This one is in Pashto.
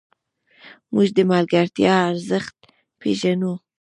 موږ د ملګرتیا ارزښت پېژنو.